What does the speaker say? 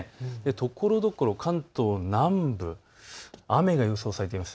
ところどころ関東南部、雨が予想されています。